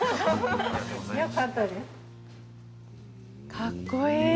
かっこいい。